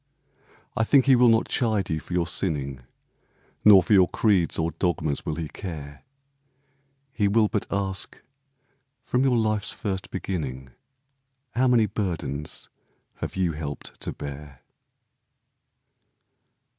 I think he will not chide you for your sinning, Nor for your creeds or dogmas will he care; He will but ask, "From your life's first beginning How many burdens have you helped to bear?"